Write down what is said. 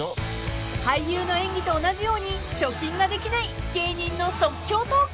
［俳優の演技と同じように貯金ができない芸人の即興トーク］